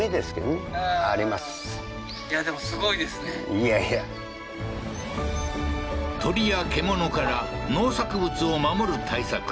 いやいや鳥や獣から農作物を守る対策